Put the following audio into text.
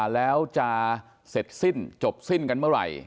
แล้วจะเสร็จสิ้นจบสิ้นกันเมื่อไหร่